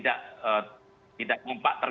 untuk menyebabkan perang dunia ketiga